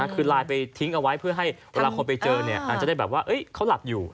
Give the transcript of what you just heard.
คือไลน์ไปทิ้งเอาไว้เพื่อให้เวลาคนไปเจออาจจะได้แบบว่าเขาหลับอยู่